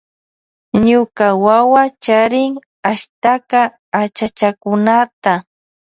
Ñuka wawa charin ashtaka achachakunata.